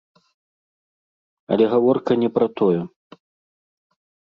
Але гаворка не пра тое.